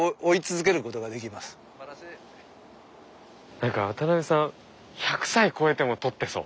何か渡邉さん１００歳超えても撮ってそう。